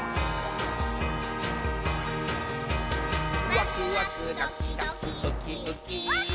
「ワクワクドキドキウキウキ」ウッキー。